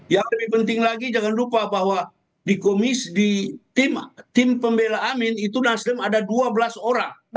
yang lebih penting lagi jangan lupa bahwa di komisi pembela amin itu nasdem ada dua belas orang